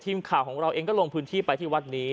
ทีมข่าวของเราเองก็ลงพื้นที่ไปที่วัดนี้